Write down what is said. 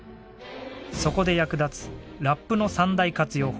そこで役立つラップの三大活用法。